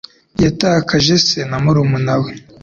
Yatakaje se na murumuna we.